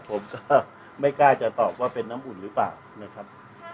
ผมก็ไม่กล้าจะตอบว่าเป็นน้ำอุ่นหรือเปล่านะครับ